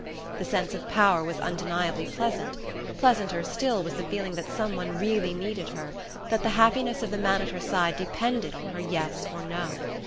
The sense of power was undeniably pleasant; pleasanter still was the feeling that someone really needed her, that the happiness of the man at her side depended on her yes or no.